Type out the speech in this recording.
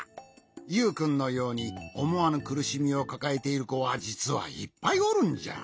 ユウくんのようにおもわぬくるしみをかかえているこはじつはいっぱいおるんじゃ。